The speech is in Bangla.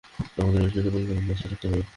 আমাদের আরিশেমের পরিকল্পনায় আস্থা রাখতে হবে।